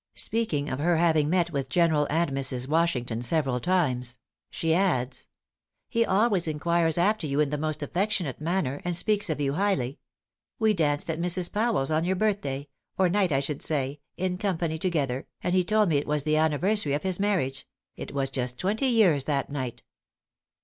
Speaking of her having met with General and Mrs. Washington several times, she adds: "He always inquires after you in the most affectionate manner, and speaks of you highly. We danced at Mrs. Powell's on your birthday, or night I should say, in company together, and he told me it was the anniversary of his marriage; it was just twenty years that night."